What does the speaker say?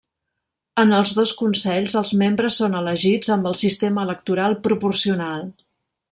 En els dos consells els membres són elegits amb el sistema electoral proporcional.